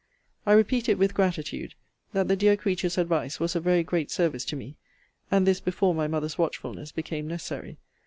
I repeat it with gratitude, that the dear creature's advice was of very great service to me and this before my mother's watchfulness became necessary.